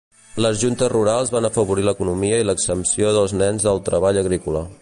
Les juntes rurals van afavorir l'economia i l'exempció dels nens del treball agrícola.